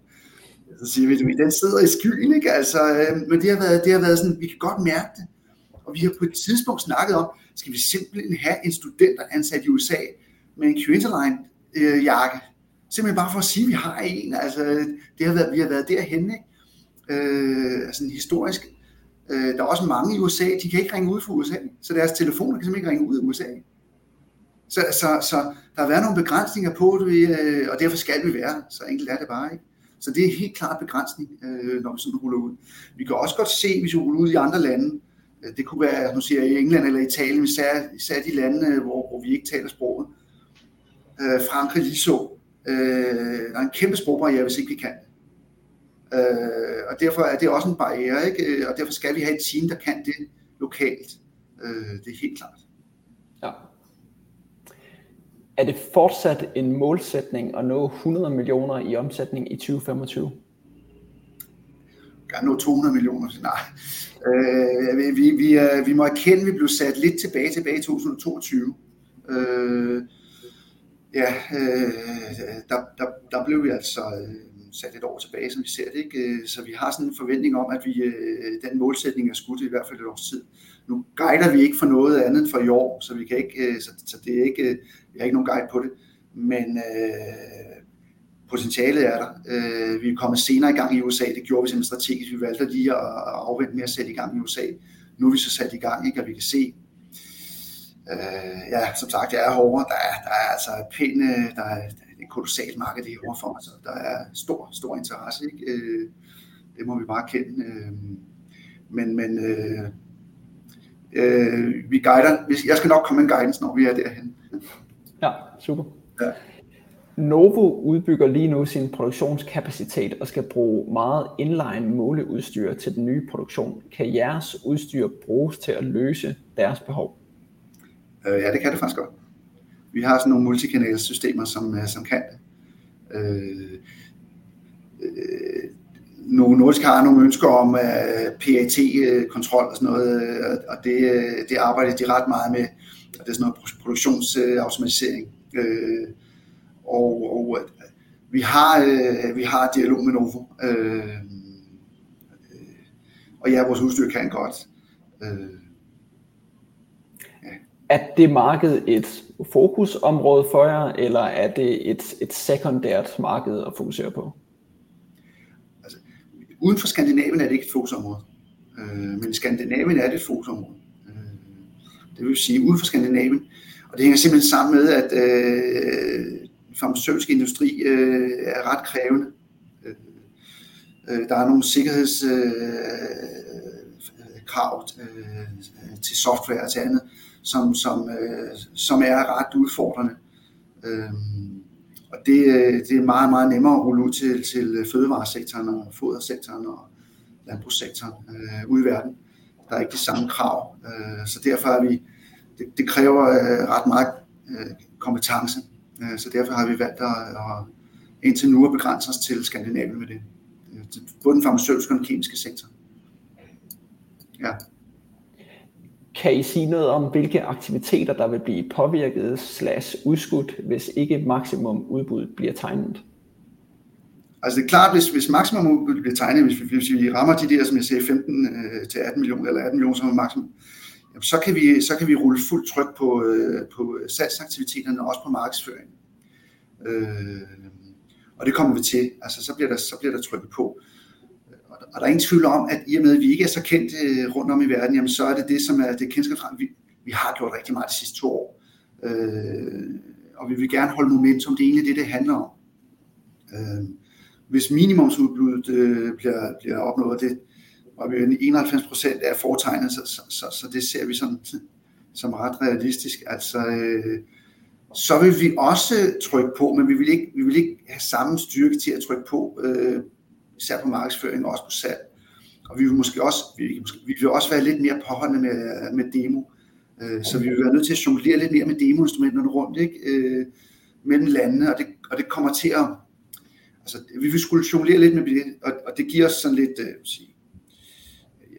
Speaker 2: Så siger vi det ved den sidder i skyen. Men det har været. Det har været sådan. Vi kan godt mærke det, og vi har på et tidspunkt snakket om skal vi simpelthen have en studenteransat i USA med en Quinter line jakke? Simpelthen bare for at sige, at vi har en. Det har været. Vi har været derhenne historisk. Der er også mange i USA. De kan ikke ringe ud fra USA, så deres telefoner kan ikke ringe ud af USA. Så der har været nogle begrænsninger på det, og derfor skal vi være her. Så enkelt er det bare ikke. Så det er helt klart en begrænsning, når vi ruller ud. Vi kan også godt se, hvis vi ruller ud i andre lande. Det kunne være nu, siger i England eller i Italien. Især de lande, hvor vi ikke taler sproget. Frankrig ligeså. Der er en kæmpe sprogbarriere, hvis ikke vi kan det, og derfor er det også en barriere. Derfor skal vi have et team, der kan det lokalt. Det er helt klart ja.
Speaker 1: Er det fortsat en målsætning at nå 100 millioner i omsætning i 2025?
Speaker 2: Jeg nå 200 millioner. Nej, vi vi. Vi må erkende, at vi blev sat lidt tilbage i 2022. Ja, der blev vi altså sat et år tilbage, som vi ser det. Så vi har sådan en forventning om, at vi. Den målsætning er skudt i hvert fald et års tid. Nu guider vi ikke for noget andet for i år, så vi kan ikke. Så det er ikke. Vi har ikke nogen guide på det, men potentialet er der. Vi er kommet senere i gang i USA. Det gjorde vi sådan strategisk. Vi valgte lige at afvente med at sætte i gang i USA. Nu er vi så sat i gang, og vi kan se ja, som sagt, det er hårdere der. Der er altså pænt. Der er et kolossalt marked herovre, så der er stor, stor interesse. Det må vi bare erkende. Men vi guider. Jeg skal nok komme med en guidance, når vi er derhenne.
Speaker 1: Ja. Super! Novo udbygger lige nu sin produktionskapacitet og skal bruge meget inline måleudstyr til den nye produktion. Kan jeres udstyr bruges til at løse deres behov?
Speaker 2: Ja, det kan det faktisk godt. Vi har sådan nogle multikanal systemer, som kan. Novo Nordisk har nogle ønsker om PAT kontrol og sådan noget, og det arbejder de ret meget med. Det er sådan noget produktions automatisering, og vi har dialog med Novo. Ja, vores udstyr kan godt.
Speaker 1: Er det marked et fokusområde for jer, eller er det et sekundært marked at fokusere på?
Speaker 2: Altså uden for Skandinavien er det ikke et fokusområde. Men i Skandinavien er det et fokusområde. Det vil sige uden for Skandinavien, og det hænger simpelthen sammen med, at den farmaceutiske industri er ret krævende. Der er nogle sikkerhedskrav til software og til andet, som er ret udfordrende, og det er meget, meget nemmere at rulle ud til fødevaresektoren og fodersektoren og landbrugssektoren ude i verden. Der er ikke de samme krav, så derfor er vi. Det kræver ret meget kompetence, så derfor har vi valgt at indtil nu at begrænse os til Skandinavien med det. Både den farmaceutiske og den kemiske sektor.
Speaker 1: Kan jeg sige noget om, hvilke aktiviteter der vil blive påvirket eller udskudt, hvis ikke maksimum udbud bliver tegnet?
Speaker 2: Altså, det er klart, hvis maksimum udbud bliver tegnet. Hvis vi rammer de der, som jeg sagde 15 til 18 millioner eller 18 millioner, som er maksimum, så kan vi. Så kan vi rulle fuld tryk på på salgsaktiviteterne og også på markedsføring. Og det kommer vi til. Så bliver der. Så bliver der trykket på. Og der er ingen tvivl om, at i og med at vi ikke er så kendt rundt om i verden, så er det det, som er det kendetegn. Vi har gjort rigtig meget de sidste to år, og vi vil gerne holde momentum. Det er egentlig det, det handler om. Hvis minimumsudbuddet bliver opnået, og det er 91% er fortegnet, så det ser vi sådan som ret realistisk. Så vil vi også trykke på. Men vi vil ikke. Vi vil ikke have samme styrke til at trykke på, især på markedsføring og også på salg. Og vi vil måske også - vi vil også være lidt mere påholdende med demo, så vi vil være nødt til at jonglere lidt mere med demo-instrumenterne rundt mellem landene, og det kommer til at - altså, vi vil skulle jonglere lidt med, og det giver os sådan lidt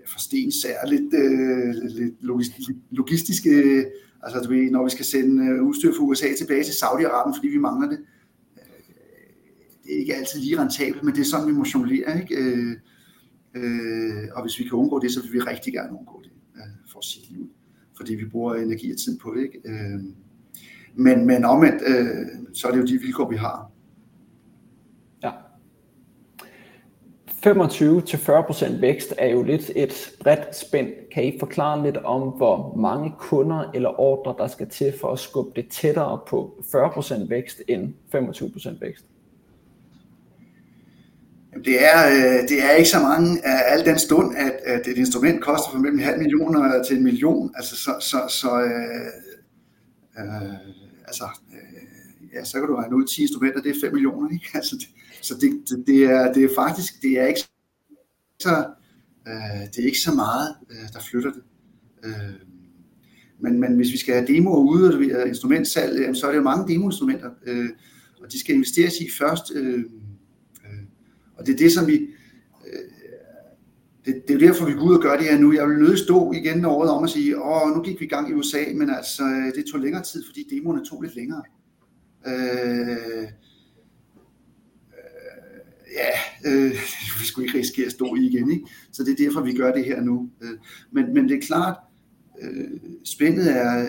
Speaker 2: forstenet sær og lidt logistisk. Logistiske. Altså, når vi skal sende udstyr fra USA tilbage til Saudi-Arabien, fordi vi mangler det. Det er ikke altid lige rentabelt, men det er sådan, vi må jonglere. Og hvis vi kan undgå det, så vil vi rigtig gerne undgå det. For at sige det ligeud. Fordi vi bruger energi og tid på det. Men omvendt, så er det jo de vilkår, vi har.
Speaker 1: Ja, 25 til 40% vækst er jo lidt et bredt spænd. Kan I forklare lidt om, hvor mange kunder eller ordrer, der skal til for at skubbe det tættere på 40% vækst end 25% vækst?
Speaker 2: Det er ikke så mange. Al den stund at et instrument koster mellem en halv million og til en million. Så kan du regne ud. 10 instrumenter. Det er 5 millioner, ikke? Så det er faktisk ikke så meget, der flytter det. Men hvis vi skal have demoer ud og instrumentsalg, jamen så er det jo mange demo instrumenter, og de skal investeres i først. Det er det, som vi gør det her nu. Jeg vil nødig stå igen når året om og sige, at nu gik vi i gang i USA. Men det tog længere tid, fordi demoerne tog lidt længere. Vi skulle ikke risikere at stå igen, så det er derfor, vi gør det her nu. Men det er klart, spændet er.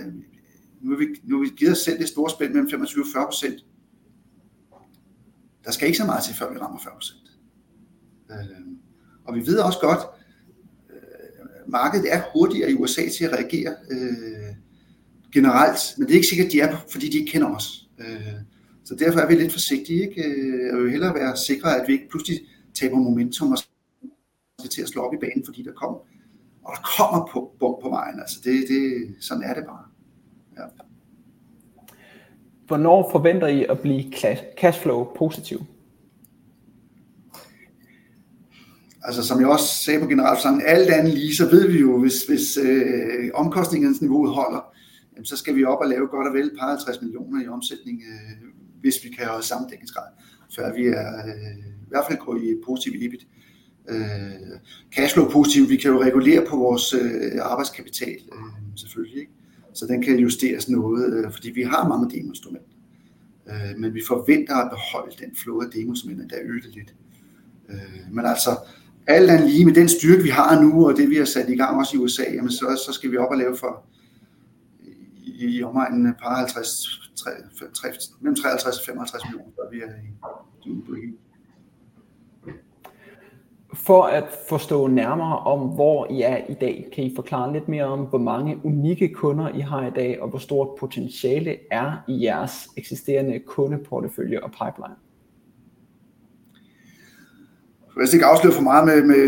Speaker 2: Nu har vi givet os selv det store spænd mellem 25% og 40%, og der skal ikke så meget til, før vi rammer 40%. Vi ved også godt, at markedet er hurtigere i USA til at reagere generelt. Men det er ikke sikkert, de er, fordi de ikke kender os. Derfor er vi lidt forsigtige. Jeg vil hellere være sikker på, at vi ikke pludselig taber momentum og slår op i banen, fordi der kommer bump på vejen. Det er sådan, det bare er.
Speaker 1: Hvornår forventer I at blive cashflow positiv?
Speaker 2: Altså, som jeg også sagde på generalforsamlingen. Alt andet lige, så ved vi jo, hvis omkostningsniveauet holder, jamen så skal vi op og lave godt og vel et par og 50 millioner i omsætning. Hvis vi kan holde samme dækningsgrad, så er vi i hvert fald gået i positivt EBITDA, cashflow positiv. Vi kan jo regulere på vores arbejdskapital. Selvfølgelig, så kan det justeres noget, fordi vi har mange demo instrumenter, men vi forventer at beholde den flow af demo instrumenter der yderligere lidt. Men altså, alt andet lige med den styrke vi har nu, og det vi har sat i gang i USA, jamen så skal vi op og lave for i omegnen af et par 50-60, mellem 53 og 55 millioner, før vi er i mål.
Speaker 1: For at forstå nærmere om, hvor I er i dag, kan I forklare lidt mere om, hvor mange unikke kunder I har i dag, og hvor stort potentiale der er i jeres eksisterende kundeportefølje og pipeline?
Speaker 2: Jeg vil ikke afsløre for meget med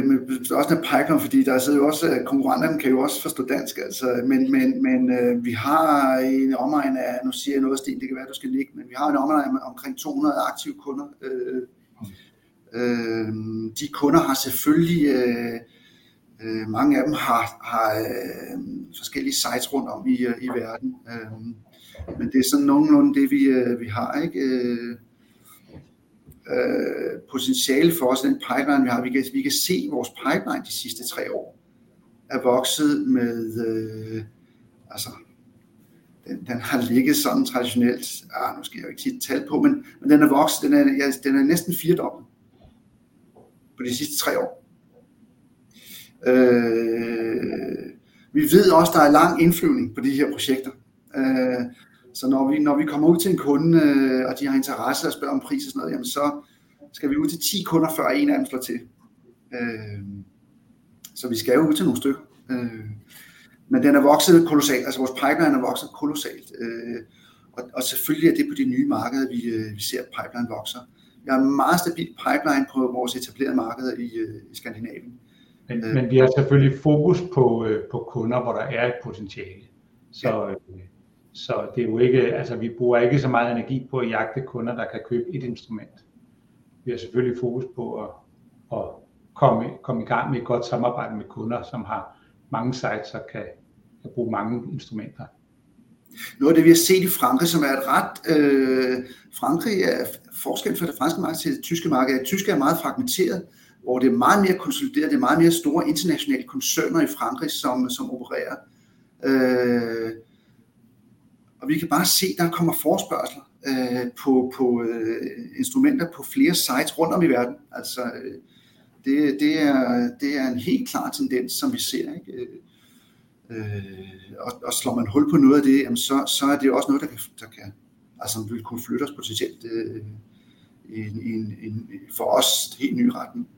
Speaker 2: størrelsen af pipeline, fordi der er jo også konkurrenterne kan jo også forstå dansk. Men vi har i omegnen af, nu siger jeg noget, og det kan være du skal nikke, men vi har i omegnen af omkring 200 aktive kunder. De kunder har selvfølgelig mange af dem forskellige sites rundt om i verden, men det er sådan nogenlunde det vi har. Potentiale for os, den pipeline vi har, vi kan se vores pipeline de sidste tre år er vokset med. Den har ligget sådan traditionelt, nu skal jeg ikke sætte tal på, men den er vokset. Den er næsten firedoblet på de sidste tre år. Vi ved også, at der er lang indflyvning på de her projekter, så når vi kommer ud til en kunde, og de har interesse og spørger om pris og sådan noget, jamen så skal vi ud til ti kunder, før en af dem slår til. Så vi skal jo ud til nogle stykker. Men den er vokset kolossalt. Altså, vores pipeline er vokset kolossalt, og selvfølgelig er det på de nye markeder, vi ser pipeline vokser. Vi har en meget stabil pipeline på vores etablerede markeder i Skandinavien.
Speaker 3: Men vi har selvfølgelig fokus på kunder, hvor der er et potentiale. Det er jo ikke... Altså, vi bruger ikke så meget energi på at jagte kunder, der kan købe et instrument. Vi har selvfølgelig fokus på at komme i gang med et godt samarbejde med kunder, som har mange sites og kan bruge mange instrumenter.
Speaker 2: Noget af det, vi har set i Frankrig, som er et ret. Frankrig er forskellen fra det franske til det tyske marked. Det tyske er meget fragmenteret, hvor det er meget mere konsolideret. Det er meget mere store internationale koncerner i Frankrig, som opererer. Og vi kan bare se, at der kommer forespørgsler på instrumenter på flere sites rundt om i verden. Altså, det er en helt klar tendens, som vi ser. Og slår man hul på noget af det, jamen så er det også noget, der kan. Altså kunne flytte os potentielt i en for os helt ny retning.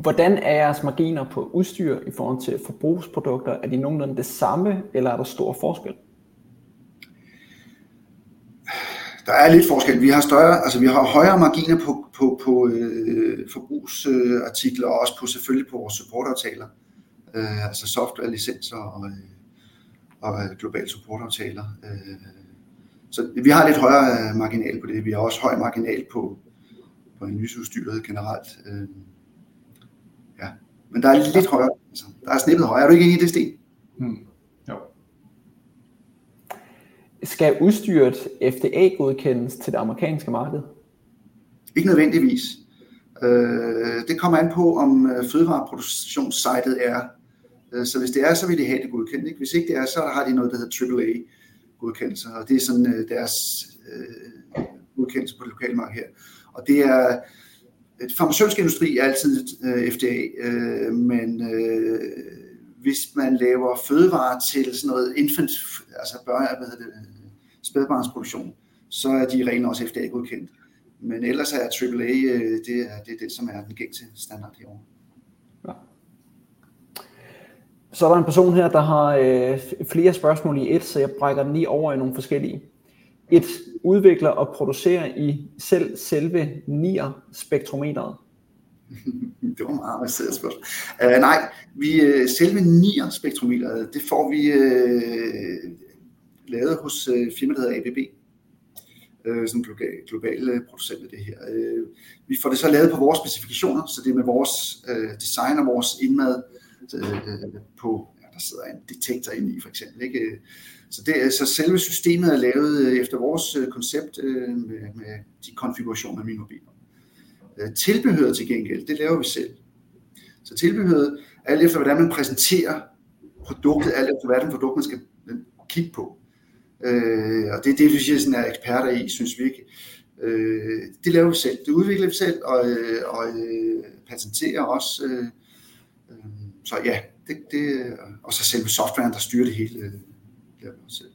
Speaker 1: Ja, hvordan er jeres marginer på udstyr i forhold til forbrugsprodukter? Er de nogenlunde det samme, eller er der stor forskel?
Speaker 2: Der er lidt forskel. Vi har større. Altså, vi har højere marginer på forbrugsartikler og også på selvfølgelig på vores supportaftaler. Altså softwarelicenser og globale supportaftaler. Så vi har lidt højere marginer på det. Vi har også høj marginer på analyseudstyr generelt. Ja, men der er lidt højere. Der er snittet højere. Er du ikke enig, Sten?
Speaker 3: Jo.
Speaker 1: Skal udstyret FDA godkendes til det amerikanske marked?
Speaker 2: Ikke nødvendigvis. Det kommer an på, om fødevareproduktionssitet er. Så hvis det er, så vil de have det godkendt. Hvis ikke det er, så har de noget, der hedder Triple A godkendelse, og det er sådan deres godkendelse på det lokale marked her. Og det er farmaceutisk industri, altid FDA. Men hvis man laver fødevarer til sådan noget infant, altså børne hvad hedder det spædbarnsproduktion, så er de ren også FDA godkendt. Men ellers er Triple A det. Det er det, som er den gængse standard herovre.
Speaker 1: Ja. Så er der en person her, der har flere spørgsmål i ét, så jeg brækker den lige over i nogle forskellige. Udvikler og producerer I selv selve NIR-spektrometeret?
Speaker 2: Det var et meget velstillet spørgsmål. Nej, vi. Selve spektrometeret det får vi lavet hos et firma, der hedder ABB. Sådan en global producent af det her. Vi får det så lavet på vores specifikationer, så det er med vores design og vores indmad på. Der sidder en detektor inde i for eksempel. Så det er så selve systemet er lavet efter vores koncept med de konfigurationer, som vi nu tilbehøret. Til gengæld det laver vi selv, så tilbehøret alt efter hvordan man præsenterer produktet. Alt efter hvad det er for et produkt, man skal kigge på, og det er det, vi er eksperter i. Det laver vi selv. Det udvikler vi selv og patenterer også. Så ja, det og så selve softwaren, der styrer det hele, laver vi selv.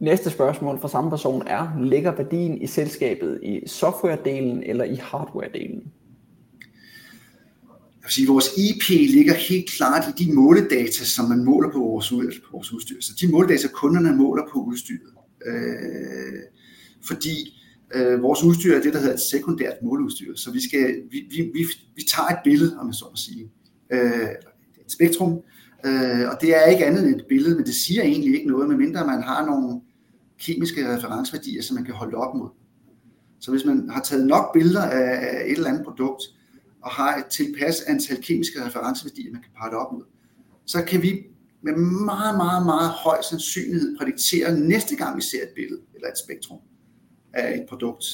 Speaker 1: Næste spørgsmål fra samme person er: Ligger værdien i selskabet, i software delen eller i hardware delen?
Speaker 2: Jeg vil sige, at vores IP ligger helt klart i de måledata, som man måler på vores udstyr. Så de måledata kunderne måler på udstyret, fordi vores udstyr er det, der hedder et sekundært måleudstyr. Vi tager et billede, om jeg så må sige et spektrum, og det er ikke andet end et billede. Men det siger egentlig ikke noget, medmindre man har nogle kemiske referenceværdier, som man kan holde det op mod. Hvis man har taget nok billeder af et eller andet produkt og har et tilpas antal kemiske referenceværdier, man kan parre det op mod, så kan vi med meget høj sandsynlighed prædiktere næste gang vi ser et billede eller et spektrum af et produkt,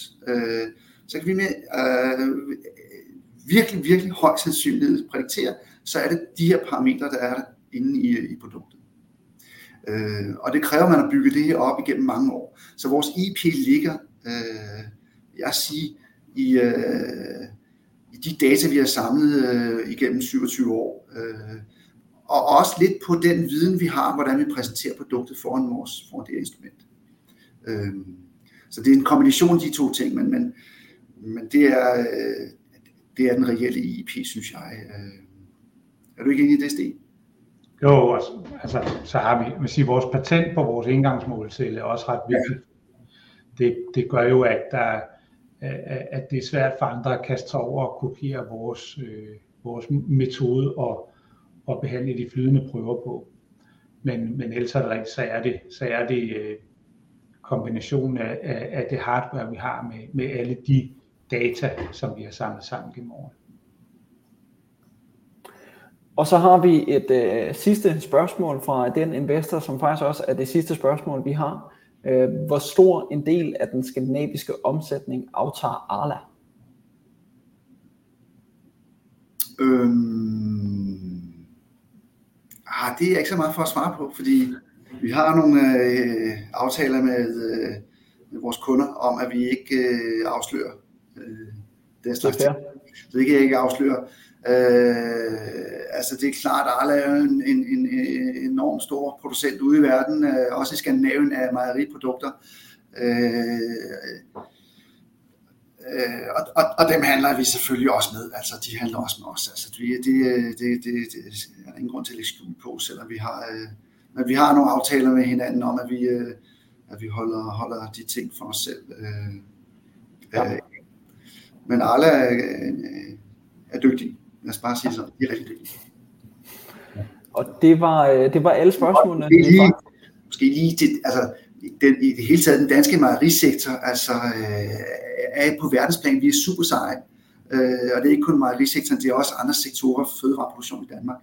Speaker 2: så kan vi med virkelig høj sandsynlighed prædiktere. Så er det de her parametre, der er inde i produktet, og det kræver, at man har bygget det op igennem mange år. Vores IP ligger, jeg vil sige, i de data, vi har samlet igennem 27 år og også lidt på den viden, vi har, og hvordan vi præsenterer produktet foran vores instrument. Det er en kombination af de to ting. Det er den reelle IP, synes jeg. Er du ikke enig i det, Steen?
Speaker 3: Jo, altså, så har vi vores patent på vores engangsmålecelle, som også er ret vigtigt. Det gør jo, at det er svært for andre at kaste sig over at kopiere vores metode og behandle de flydende prøver på. Men ellers er det kombinationen af det hardware vi har med alle de data, som vi har samlet sammen gennem årene.
Speaker 1: Og så har vi et sidste spørgsmål fra den investor, som faktisk også er det sidste spørgsmål, vi har. Hvor stor en del af den skandinaviske omsætning aftager Arla?
Speaker 2: Ej, det er ikke så meget for at svare på, fordi vi har nogle aftaler med vores kunder om, at vi ikke afslører deres navn. Så det kan jeg ikke afsløre. Det er klart. Arla er jo en enormt stor producent ude i verden, også i Skandinavien, af mejeriprodukter. Og dem handler vi selvfølgelig også med. De handler også med os. Det er der ingen grund til at skjule på, selvom vi har. Men vi har nogle aftaler med hinanden om, at vi holder de ting for os selv. Men Arla er dygtig. Lad os bare sige det sådan. De er rigtig dygtige.
Speaker 1: Og det var. Det var alle spørgsmålene.
Speaker 2: Måske lige altså i det hele taget. Den danske mejerisektor er på verdensplan. Vi er super seje, og det er ikke kun mejerisektoren. Det er også andre sektorer. Fødevareproduktion i Danmark.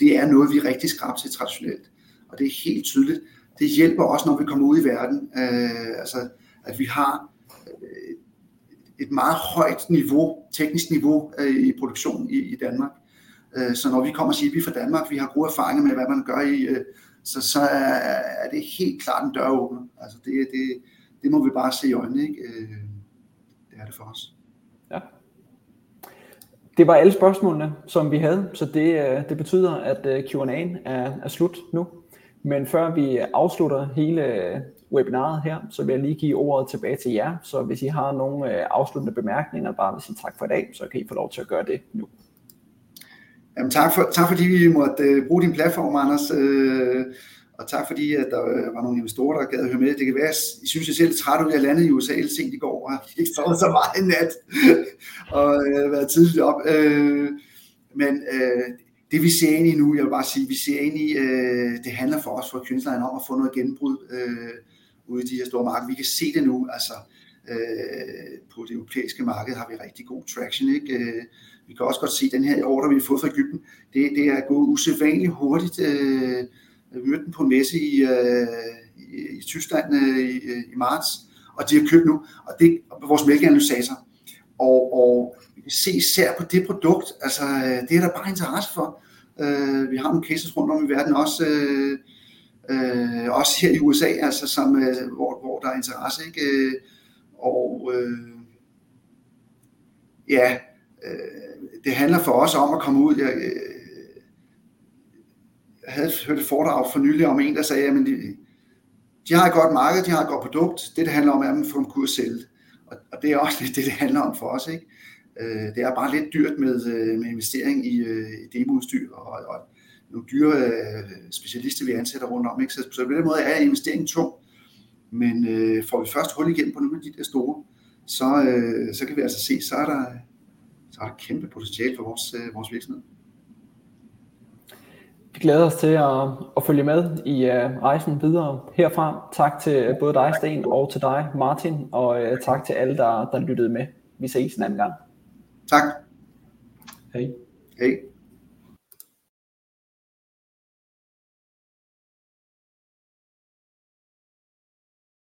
Speaker 2: Det er noget, vi er rigtig skrappe til traditionelt, og det er helt tydeligt. Det hjælper også, når vi kommer ud i verden, at vi har et meget højt teknisk niveau i produktionen i Danmark. Så når vi kommer og siger vi er fra Danmark, vi har god erfaring med, hvad man gør, så er det helt klart en døråbner. Det må vi bare se i øjnene. Det er det for os.
Speaker 1: Ja, det var alle spørgsmålene, som vi havde, så det betyder, at Q&A er slut nu. Men før vi afslutter hele webinaret her, så vil jeg lige give ordet tilbage til jer. Så hvis I har nogle afsluttende bemærkninger bare vil sige tak for i dag, så kan I få lov til at gøre det nu.
Speaker 2: Jamen tak. Tak fordi vi måtte bruge din platform, Anders. Og tak fordi der var nogle investorer, der gad høre med. Det kan være I synes, jeg ser lidt træt ud. Jeg landede i USA sent i går og har ikke sovet så meget i nat og været tidligt oppe. Men det vi ser ind i nu. Jeg vil bare sige, at vi ser ind i. Det handler for os for Kynslaw om at få noget gennembrud ude i de her store markeder. Vi kan se det nu. På det europæiske marked har vi rigtig god traction. Vi kan også godt se den her ordre, vi har fået fra Egypten. Det er gået usædvanlig hurtigt. Vi mødte dem på en messe i Tyskland i marts, og de har købt nu. Og det er vores mælkeanalysator. Og vi kan se især på det produkt. Altså, det er der bare interesse for. Vi har nogle cases rundt om i verden også. Også her i USA, som hvor der er interesse, ikke? Ja, det handler for os om at komme ud. Jeg havde hørt et foredrag for nylig om en, der sagde: "Jamen de har et godt marked. De har et godt produkt. Det, det handler om, er at få dem til at sælge." Og det er også lidt det, det handler om for os. Det er bare lidt dyrt med investering i demo udstyr og nogle dyre specialister. Vi ansætter rundt om. Så på den måde er investeringen tung. Men får vi først hul igennem på nogle af de der store, så kan vi altså se. Så er der et kæmpe potentiale for vores virksomhed.
Speaker 1: Vi glæder os til at følge med i rejsen videre herfra. Tak til både dig, Steen og til dig Martin. Og tak til alle, der lyttede med. Vi ses en anden gang.
Speaker 2: Tak.
Speaker 1: Hej.
Speaker 2: Hej!